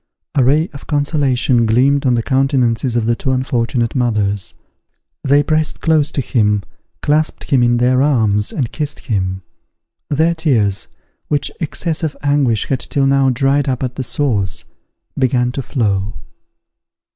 A ray of consolation gleamed on the countenances of the two unfortunate mothers. They pressed close to him, clasped him in their arms, and kissed him: their tears, which excess of anguish had till now dried up at the source, began to flow.